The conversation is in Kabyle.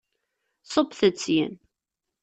Ṣubbet-d syin!